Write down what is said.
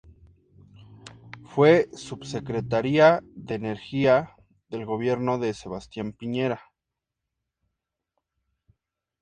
Fue subsecretaria de Energía del gobierno de Sebastián Piñera.